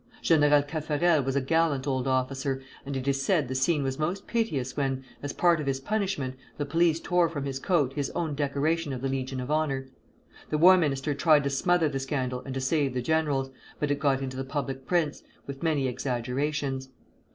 General Caffarel was a gallant old officer, and it is said the scene was most piteous when, as part of his punishment, the police tore from his coat his own decoration of the Legion of Honor. The War Minister tried to smother the scandal and to save the generals, but it got into the public prints, with many exaggerations.